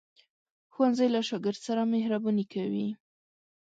ښوونځی له شاګرد سره مهرباني کوي